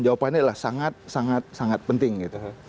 jawabannya adalah sangat sangat penting gitu